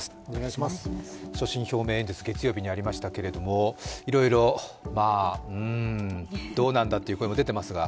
所信表明演説、月曜日にありましたけれどもいろいろどうなんだという声も出ていますが。